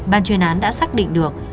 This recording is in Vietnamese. ban chuyên án đã xác định được